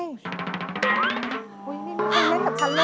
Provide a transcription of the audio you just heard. อุ๊ยไม่เล่นแบบฉันเลยน่ะ